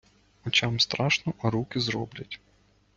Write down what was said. Очам страшно, а руки зроблять.